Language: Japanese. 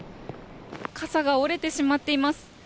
傘が折れてしまっています。